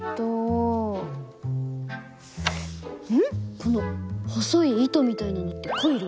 この細い糸みたいなのってコイル？